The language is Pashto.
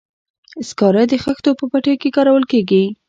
سکاره د خښتو په بټیو کې کارول کیږي.